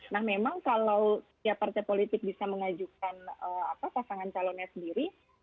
nah memang kalau setiap partai politik bisa mengajukan pasangan calonnya sendiri